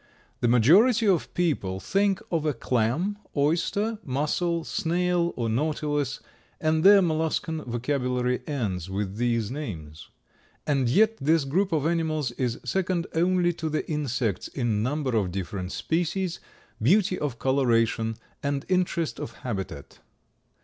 The majority of people think of a clam, oyster, mussel, snail or Nautilus and their molluscan vocabulary ends with these names. And yet this group of animals is second only to the insects in number of different species, beauty of coloration and interest of habitat.